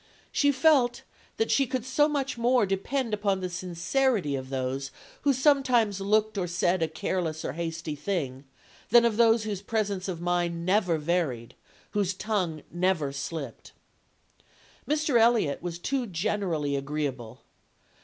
She felt that she could so much more depend upon the sincerity of those who sometimes looked or said a careless or a hasty thing, than of those whose presence of mind never varied, whose tongue never slipped. "Mr. Elliot was too generally agreeable.